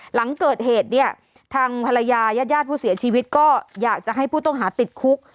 หลังเกิดเหตุเนี่ยทางภรรยาญาติญาติผู้เสียชีวิตก็อยากจะให้ผู้ต้องหาติดคุก